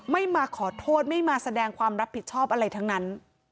ไม่มาขอโทษไม่มาแสดงความรับผิดชอบอะไรทั้งนั้น